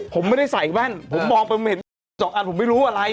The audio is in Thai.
ผมไม่ได้ใส่แว่นผมมองไปผมเห็นสองอันผมไม่รู้อะไร